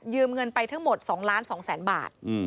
ยืมเงินไปทั้งหมด๒ล้าน๒แสนบาท